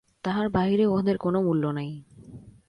তাহার বাহিরে উহাদের কোন মূল্য নাই।